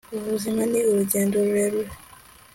ubuzima ni urugendo rurerure